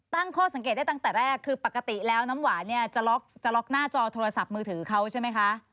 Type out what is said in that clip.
ตั้งข้อสังเกตได้ตั้งแต่แรกคือปกติแล้วน้ำหวานเนี่ยจะล็อกจะล็อกหน้าจอโทรศัพท์มือถือเขาใช่ไหมคะ